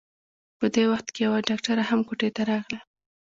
په دې وخت کې يوه ډاکټره هم کوټې ته راغله.